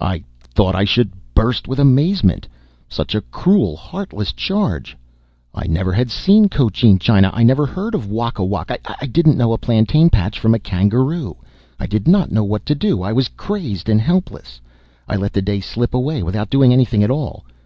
I thought I should burst with amazement! Such a cruel, heartless charge! I never had seen Cochin China! I never had heard of Wakawak! I didn't know a plantain patch from a kangaroo! I did not know what to do. I was crazed and helpless. I let the day slip away without doing anything at all.